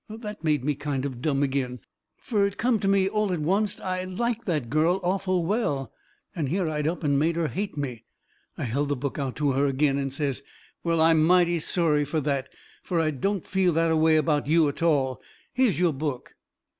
That made me kind of dumb agin. Fur it come to me all to oncet I liked that girl awful well. And here I'd up and made her hate me. I held the book out to her agin and says: "Well, I'm mighty sorry fur that, fur I don't feel that a way about you a tall. Here's your book."